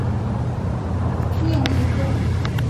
卫星星系是受到引力影响而环绕另一个大星系的星系。